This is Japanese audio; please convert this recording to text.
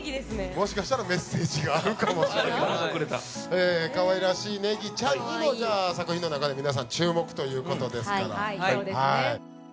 もしかしたらメッセージがあるかもしれないかわいらしいネギちゃんにもじゃあ作品の中で皆さん注目ということですからはいそうですね